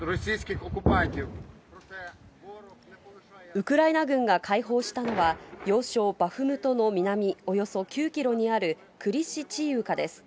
ウクライナ軍が解放したのは、要衝バフムトの南およそ９キロにあるクリシチーウカです。